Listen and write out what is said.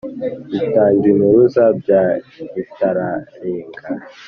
Bitangimpuruza bya Ritararenga